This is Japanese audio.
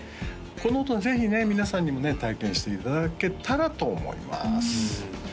この音ぜひね皆さんにもね体験していただけたらと思います